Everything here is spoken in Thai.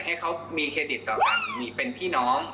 ให้เขามีเครดิตต่อกันมีเป็นพี่น้อง